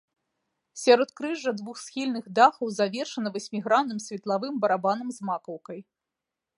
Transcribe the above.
Сяродкрыжжа двухсхільных дахаў завершана васьмігранным светлавым барабанам з макаўкай.